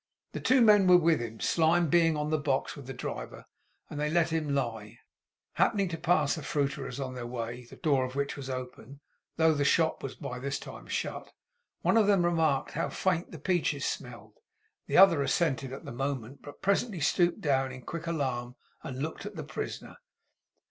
The two men were with him. Slyme being on the box with the driver; and they let him lie. Happening to pass a fruiterer's on their way; the door of which was open, though the shop was by this time shut; one of them remarked how faint the peaches smelled. The other assented at the moment, but presently stooped down in quick alarm, and looked at the prisoner.